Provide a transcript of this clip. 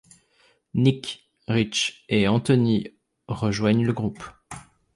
Nick Rich et Anthony rejoignent le groupe.